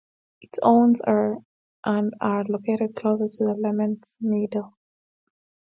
Its awns are and are located closer to the lemmas middle.